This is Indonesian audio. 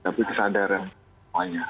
tapi kesadaran semuanya